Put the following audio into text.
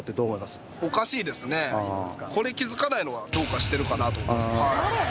これ気づかないのはどうかしてるかなと思います。